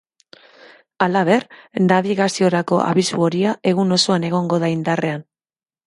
Halaber, nabigaziorako abisu horia egun osoan egongo da indarrean.